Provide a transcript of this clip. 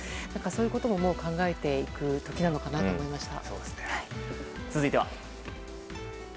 そういうことも考えていく時なのかなと続いては。